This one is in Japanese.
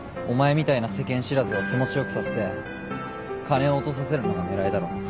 お前みたいな世間知らずを気持ちよくさせて金を落とさせるのが狙いだろ。